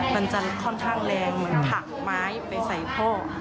มันจะค่อนข้างแรงเหมือนผักไม้ไปใส่พ่อ